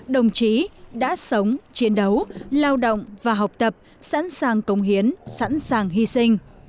đồng chí đã sống chiến đấu lao động và học tập sẵn sàng công hiến sẵn sàng hy sinh